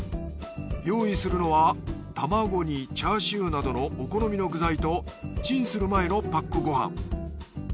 用意するのは卵にチャーシューなどのお好みの具材とチンする前のパックご飯。